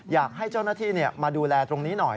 อยากให้เจ้าหน้าที่มาดูแลตรงนี้หน่อย